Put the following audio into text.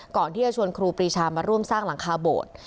ก่อนที่จะชวนครูปรีชามาร่วมสร้างหลังคาโบสถ์